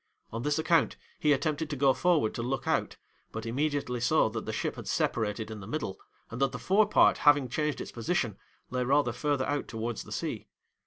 On this account, he attempted to go forward to look out, but immediately saw that the ship had separated in the middle, and that the forepart having changed its position, lay rather further out towards the sea.